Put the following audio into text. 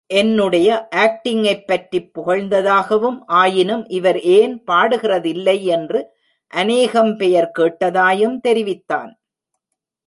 என்னுடைய ஆக்டிங்கைப்பற்றிப் புகழ்ந்ததாகவும், ஆயினும் இவர் ஏன் பாடுகிறதில்லை என்று அநேகம் பெயர் கேட்டதாயும் தெரிவித்தான்.